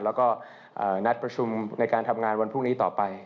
แล้วก็นัดประชุมในการทำงานวันพรุ่งนี้ต่อไป